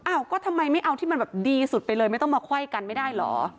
อ้าวก็ทำไมไม่เอาที่มันแบบดีสุดไปเลยไม่ต้องมาไขว้กันไม่ได้เหรอ